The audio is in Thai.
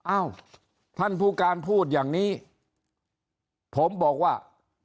อ้าวท่านผู้การพูดอย่างนี้ผมบอกว่า